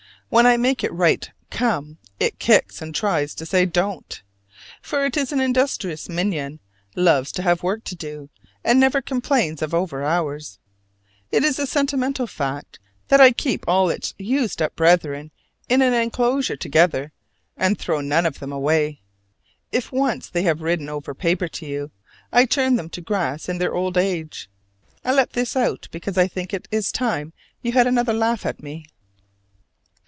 When I make it write "come," it kicks and tries to say "don't." For it is an industrious minion, loves to have work to do, and never complains of overhours. It is a sentimental fact that I keep all its used up brethren in an inclosure together, and throw none of them away. If once they have ridden over paper to you, I turn them to grass in their old age. I let this out because I think it is time you had another laugh at me.